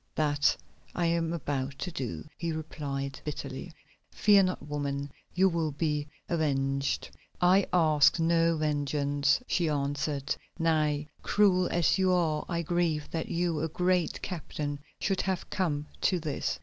"That I am about to do," he replied bitterly. "Fear not, woman, you will be avenged." "I ask no vengeance," she answered. "Nay, cruel as you are I grieve that you, a great captain, should have come to this."